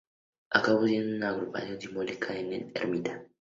Acabó siendo una agrupación simbólica en la ermita.